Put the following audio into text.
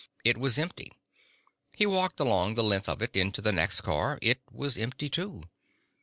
It was empty. He walked along the length of it, into the next car. It was empty too.